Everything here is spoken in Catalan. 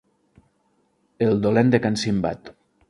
El dolent de can Simbad.